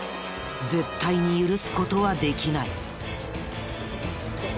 絶対に許す事はできない。